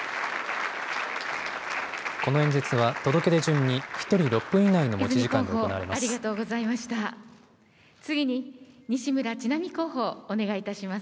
この演説は届け出順に１人６分以内の持ち時間で行われます。